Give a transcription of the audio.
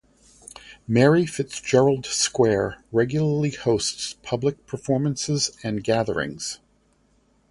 Mary Fitzgerald Square regularly hosts public performances and gatherings.